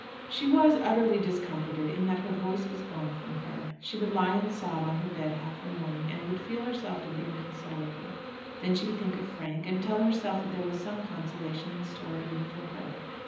She was utterly discomforted in that her voice was gone from her. She would lie and sob on her bed half the morning, and would feel herself to be inconsolable. Then she would think of Frank, and tell herself that there was some consolation in store even for her.